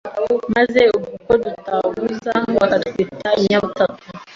Maze ubwo uko dutaguza Bakatwita inyabutatu